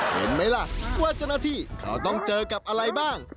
เห็นไหมล่ะว่าเจ้าหน้าที่เขาต้องเจอกับอะไรบ้าง